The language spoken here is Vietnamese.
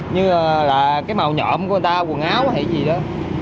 như là cái màu nhộm của người ta quần áo hay gì đó